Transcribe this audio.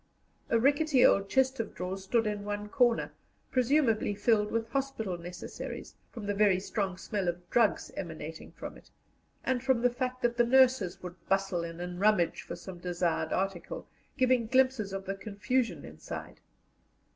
A rickety old chest of drawers stood in one corner, presumably filled with hospital necessaries, from the very strong smell of drugs emanating from it, and from the fact that the nurses would bustle in and rummage for some desired article, giving glimpses of the confusion inside.